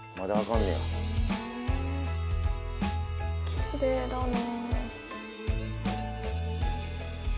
きれいだな。